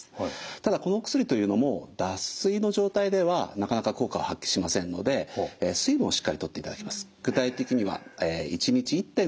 ただこのお薬というのも脱水の状態ではなかなか効果は発揮しませんので水分をしっかりとっていただきます。